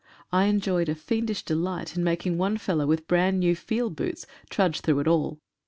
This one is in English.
I enjoyed a fiendish delight in making one fellow with brand new field boots trudge through it all.